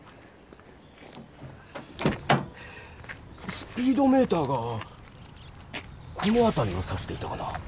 スピードメーターがこのあたりをさしていたかな。